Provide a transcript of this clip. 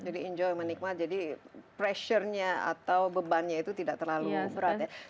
jadi enjoy dan nikmat jadi pressure nya atau bebannya itu tidak terlalu berat ya